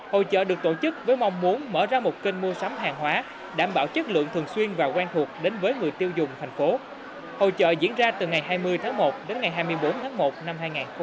hội trợ được tổ chức với mong muốn mở ra một kênh mua sắm hàng hóa đảm bảo chất lượng thường xuyên và quen thuộc đến với người tiêu dùng thành phố hội trợ diễn ra từ ngày hai mươi tháng một đến ngày hai mươi bốn tháng một năm hai nghìn hai mươi